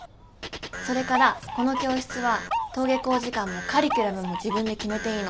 それからこの教室は登下校時間もカリキュラムも自分で決めていいの。